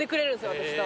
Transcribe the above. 私と。